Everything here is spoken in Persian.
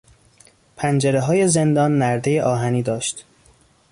پنجرههای زندان نردهی آهنی داشت.